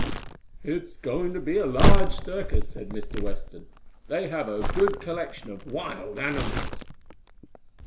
"It's going to be a large circus," said Mr. Weston. "They have a good collection of wild animals."